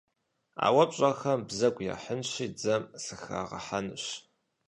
А уэ пщӏэхэм бзэгу яхьынщи, дзэм сыхрагъэхунщ.